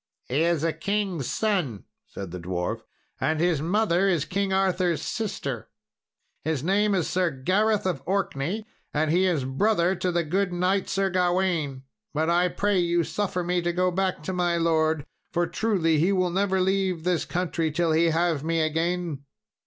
"He is a king's son," said the dwarf, "and his mother is King Arthur's sister. His name is Sir Gareth of Orkney, and he is brother to the good knight, Sir Gawain. But I pray you suffer me to go back to my lord, for truly he will never leave this country till he have me again."